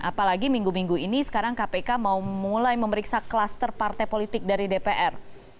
apalagi minggu minggu ini sekarang kpk mau mulai memeriksa kluster partai politik dari dpr